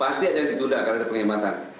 pasti aja yang ditunda karena ada penghematan